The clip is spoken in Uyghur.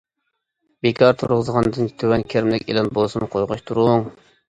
بىكار تۇرغۇزغاندىن تۆۋەن كىرىملىك ئېلان بولسىمۇ قويغاچ تۇرۇڭ.